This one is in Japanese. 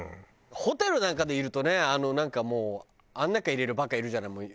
ホテルなんかでいるとねなんかもうあの中入れるバカいるじゃない？